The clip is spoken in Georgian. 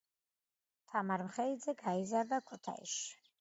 თამარ მხეიძე გაიზარდა ქუთაისში.